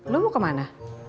lo mau kemana